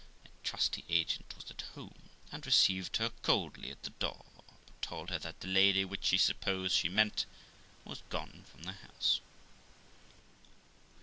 My trusty agent was at home, and received her coldly at the door ; but told her that the lady, which she supposed she meant, was gone from her house.